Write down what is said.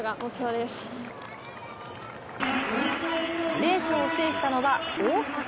レースを制したのは大阪。